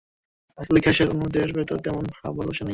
আসলে গ্যাসের অণুদের ভেতর তেমন ভাব-ভালোবাসা নেই।